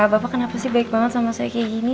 bapak kenapa sih baik banget sama saya kayak gini